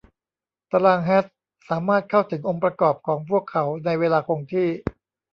ตารางแฮชสามารถเข้าถึงองค์ประกอบของพวกเขาในเวลาคงที่